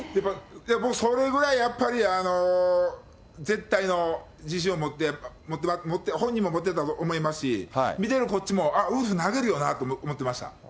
僕、それぐらいやっぱり、絶対の自信を持って、本人も持ってたと思いましたし、見てるこっちも、あっ、ウルフ、投げるよなって思ってました。